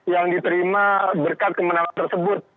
yang diterima berkat kemenangan tersebut